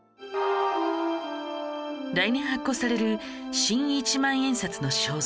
来年発行される新一万円札の肖像